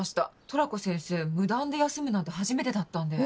トラコ先生無断で休むなんて初めてだったんで。